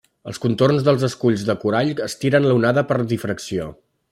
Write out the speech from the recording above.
Els contorns dels esculls de corall estiren l'onada per difracció.